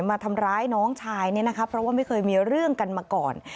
เพราะว่าไม่เคยมีเรื่องกันมาก่อน